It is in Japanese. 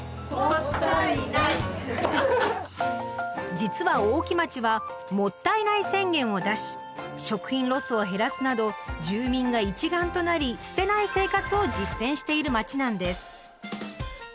実は大木町は「もったいない宣言」を出し食品ロスを減らすなど住民が一丸となり捨てない生活を実践している町なんです。